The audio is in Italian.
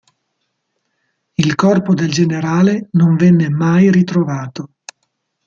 Il corpo del generale non venne mai ritrovato.